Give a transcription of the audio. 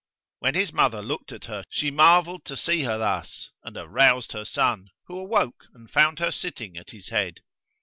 When his mother looked at her she marvelled to see her thus and aroused her son, who awoke and found her sitting at his head.